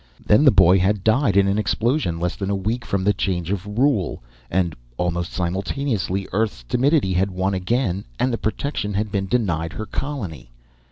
Then the boy had died in an explosion less than a week from the change of rule, and almost simultaneously Earth's timidity had won again, and the protection had been denied her colony.